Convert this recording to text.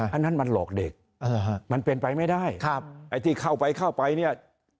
อันนั้นมันหลอกเด็กมันเป็นไปไม่ได้ครับไอ้ที่เข้าไปเข้าไปเนี่ย